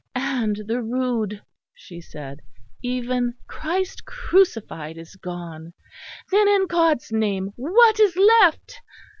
"And the Rood!" she said. "Even Christ crucified is gone. Then, in God's name what is left?"